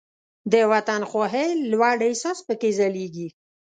د وطن خواهۍ لوړ احساس پکې ځلیږي.